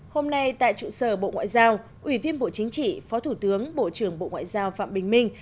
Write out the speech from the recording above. hôm nay tại trụ sở bộ ngoại giao ủy viên bộ chính trị phó thủ tướng bộ trưởng bộ ngoại giao phạm bình minh